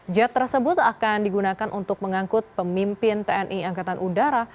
jet tersebut akan digunakan untuk mengangkut pemimpin tni angkatan udara